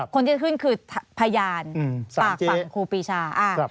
คนที่จะขึ้นคือพยานปากฝั่งครูปีชา